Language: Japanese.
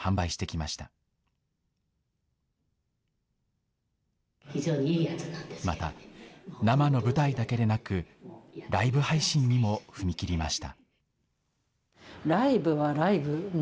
また、生の舞台だけでなく、ライブ配信にも踏み切りました。